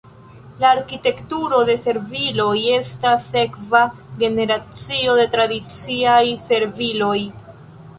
La arkitekturo de serviloj estas sekva generacio de tradiciaj serviloj.